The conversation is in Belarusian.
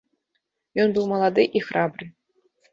Ён быў малады і храбры.